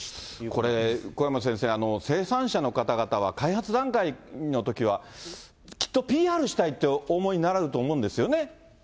これ、小山先生、生産者の方々は、開発段階のときは、きっとＰＲしたいとお思いになられると思うんですよね。